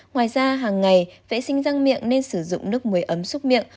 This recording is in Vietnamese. ngoài ra hàng ngày vệ sinh răng miệng nên sử dụng nước muối ấm xúc miệng